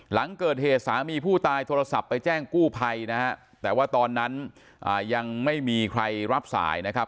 หลังเกิดเหตุสามีผู้ตายโทรศัพท์ไปแจ้งกู้ภัยนะฮะแต่ว่าตอนนั้นยังไม่มีใครรับสายนะครับ